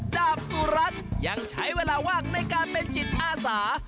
ดาบสุรัตน์ยังใช้เวลาว่างในการเป็นจิตอาสา